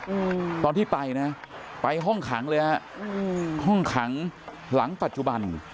อืมตอนที่ไปนะไปห้องขังเลยฮะอืมห้องขังหลังปัจจุบัน